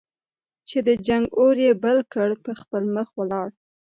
چې د جنګ اور یې بل کړ په خپله مخه ولاړ.